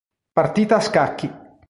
Partita a scacchi